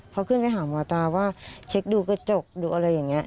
พอขึ้นไปหาหมอตาว่าเช็คดูกระจกดูอะไรอย่างนี้